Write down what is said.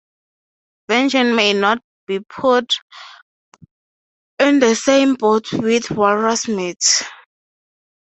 Venison may not be put in the same boat with walrus-meat.